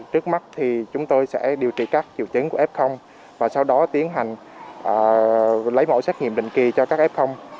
trước mắt thì chúng tôi sẽ điều trị các triệu chứng của f và sau đó tiến hành lấy mẫu xét nghiệm định kỳ cho các f